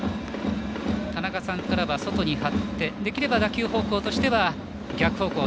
田中さんからは外に張ってできれば打球方向としては逆方向